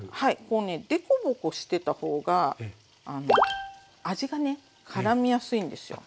こうね凸凹してた方が味がねからみやすいんですよ。